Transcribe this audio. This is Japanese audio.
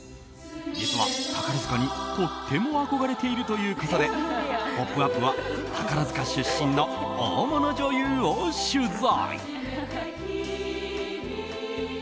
実は宝塚にとっても憧れているということで「ポップＵＰ！」は宝塚出身の大物女優を取材。